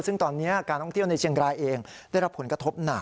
ซึ่งตอนนี้การท่องเที่ยวในเชียงรายเองได้รับผลกระทบหนัก